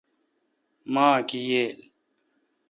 ماک ییل۔